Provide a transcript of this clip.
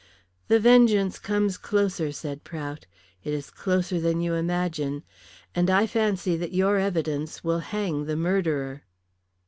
"The vengeance comes closer," said Prout; "it is closer than you imagine. And I fancy that your evidence will hang the murderer."